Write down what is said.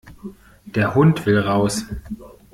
Der Hund will raus.